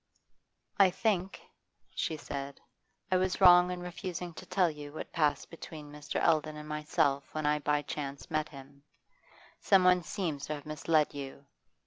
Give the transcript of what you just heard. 'I think,' she said, 'I was wrong in refusing to tell you what passed between Mr. Eldon and myself when I by chance met him. Someone seems to have misled you.